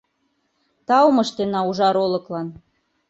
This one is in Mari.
Таум ыштена ужар олыклан